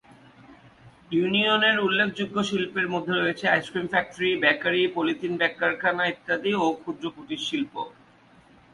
ইউনিয়নের উল্লেখযোগ্য শিল্পের মধ্যে রয়েছে ice cream factory, bakery, polythene bag কারখানা ইত্যাদি ক্ষুদ্র ও কুটির শিল্প।